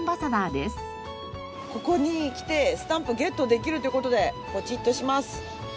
ここに来てスタンプをゲットできるという事でポチっとします。